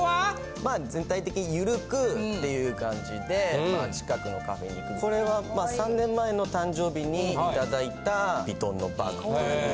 まあ全体的にゆるくっていう感じで近くのカフェに行くこれは３年前の誕生日に頂いたヴィトンのバッグでね